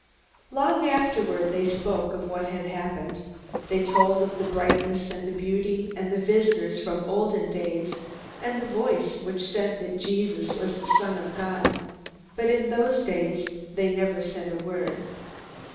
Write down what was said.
Long afterward, they spoke of what had happened. They told of the brightness, and the beauty, and the visitors from olden days, and the voice which said that Jesus was the Son of God. But in those days they never said a word.